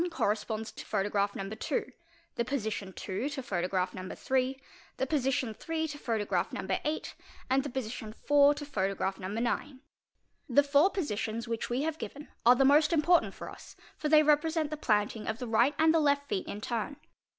corresponds to photograph No.2; the dosition II. to photograph No. 3; the position III. to photograph No. 8; und the position 1V., to photograph No. 9. _ The four positions which we have given are the most important for us, or they represent the planting of the right and the left feet in turn.